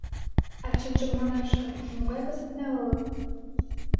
А чынжым манаш гын, могай кызыт нелылык?